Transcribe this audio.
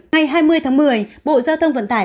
ngày hai mươi tháng một mươi bộ giao thông vận tải